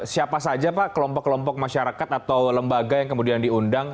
siapa saja pak kelompok kelompok masyarakat atau lembaga yang kemudian diundang